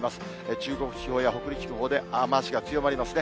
中国地方や北陸地方で雨足が強まりますね。